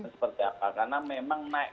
seperti apa karena memang naik